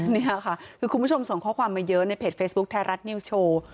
นี่ค่ะคือคุณผู้ชมส่งข้อความมาเยอะในเพจเฟซบุ๊คไทยรัฐนิวส์โชว์